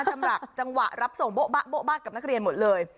สำหรับจังหวะรับส่งโบ๊ะโบ๊ะบะกับนักเรียนหมดเลย